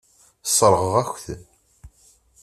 Sseṛɣeɣ-ak-ten.